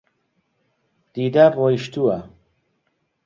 دیدار ڕۆیشتووە.